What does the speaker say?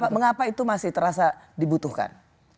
mengapa itu masih terasa dibutuhkan